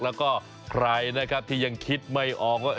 แล้วก็ใครนะครับที่ยังคิดไม่ออกว่า